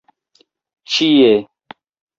ĉie